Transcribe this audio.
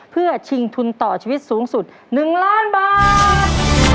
เพื่อชิงทุนต่อชีวิตสูงสุด๑ล้านบาท